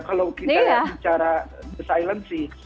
kalau kita bicara silency